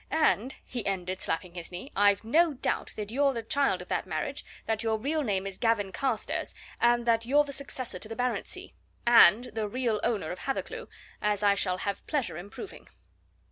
And," he ended, slapping his knee, "I've no doubt that you're the child of that marriage, that your real name is Gavin Carstairs, and that you're the successor to the baronetcy, and the real owner of Hathercleugh, as I shall have pleasure in proving."